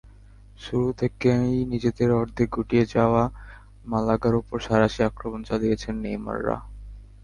শুরু থেকেই নিজেদের অর্ধে গুটিয়ে যাওয়া মালাগার ওপর সাঁড়াশি আক্রমণ চালিয়েছেন নেইমাররা।